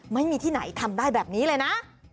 ไม่มีที่ไหนทำได้แบบนี้เลยนะ